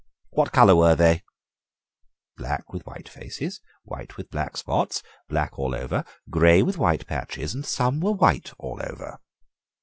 "What colour were they?" "Black with white faces, white with black spots, black all over, grey with white patches, and some were white all over."